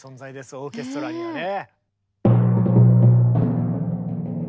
オーケストラにはね。